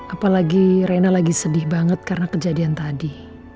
apalagi rena lagi sedih banget karena kejadian tadi